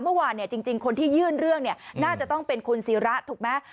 เมื่อวานจริงคนที่ยื่นเรื่องน่าจะต้องเป็นคุณศิระถูกไหม